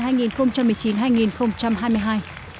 trong khuôn khổ truyền thăm của thủ tướng italia